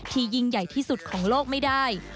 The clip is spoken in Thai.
ยิ่งใหญ่ที่สุดของโลกไม่ได้